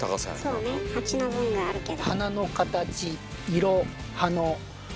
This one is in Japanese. そうね鉢の分があるけど。